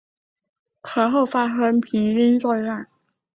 随后发生了平津作战。